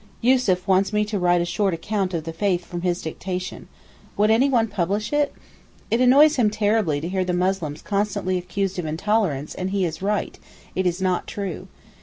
Yussuf wants me to write a short account of the faith from his dictation. Would anyone publish it? It annoys him terribly to hear the Muslims constantly accused of intolerance, and he is right—it is not true.